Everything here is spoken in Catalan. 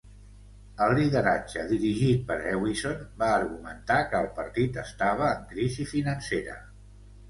El lideratge dirigit per Hewison va argumentar que el partit estava en crisi financera.